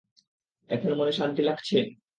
এখন মনে শান্তি লাগছে?